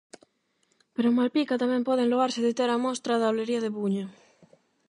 Pero en Malpica tamén poden loarse de ter a Mostra da Olería de Buño.